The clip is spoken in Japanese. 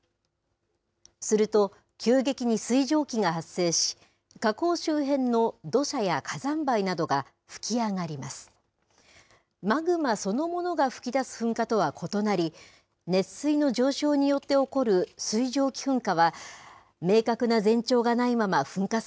すると、急激に水蒸気が発生し、火口周辺の土砂や火山灰などが噴き上がります。